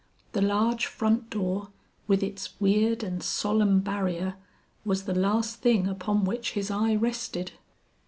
The large front door with its weird and solemn barrier was the last thing upon which his eye rested.